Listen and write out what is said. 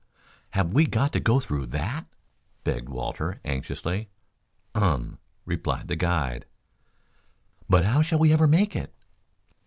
"Have we got to go through that?" begged Walter anxiously. "Um," replied the guide. "But how shall we ever make it?"